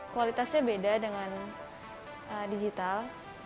kualitasnya beda dengan digital